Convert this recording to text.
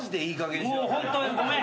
もうホントごめん。